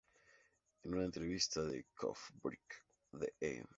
En una entrevista en Coffee Break de E!